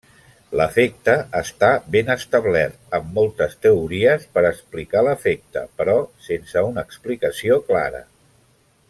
L'efecte està ben establert amb moltes teories per explicar l'efecte, però sense una explicació clara.